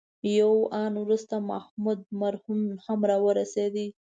یو آن وروسته محمود مرهون هم راورسېد.